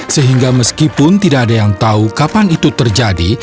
sehingga meskipun tidak ada yang tahu kapan itu terjadi